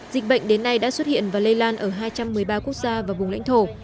dịch bệnh đến nay đã xuất hiện và lây lan ở hai trăm một mươi ba quốc gia và vùng lãnh thổ